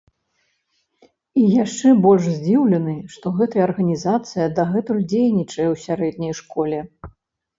І яшчэ больш здзіўлены, што гэтая арганізацыя дагэтуль дзейнічае ў сярэдняй школе.